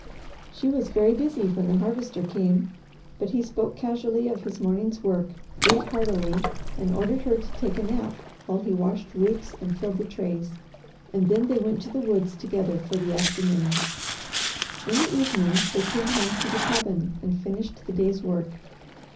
She was very busy when the Harvester came, but he spoke casually of his morning's work, ate heartily, and ordered her to take a nap while he washed roots and filled the trays, and then they went to the woods together for the afternoon. In the evening they came home to the cabin and finished the day's work.